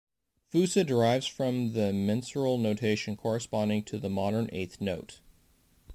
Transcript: "Fusa" derives from the mensural notation corresponding to the modern eighth note.